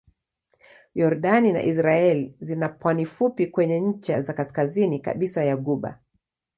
Yordani na Israel zina pwani fupi kwenye ncha ya kaskazini kabisa ya ghuba.